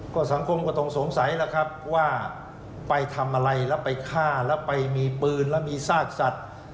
ก็สังคมก็ต้องสงสัยแล้วครับว่าไปทำอะไรแล้วไปฆ่าแล้วไปมีปืนแล้วมีซากสัตว์